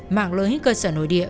mạng lưới cơ sở nội địa